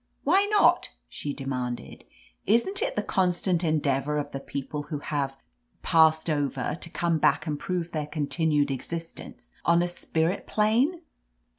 "Why not?'' she demanded. "Isn't it thef constant endeavor of the people who have —> passed over, to come back and prove their con tinued existence on a spirit plane?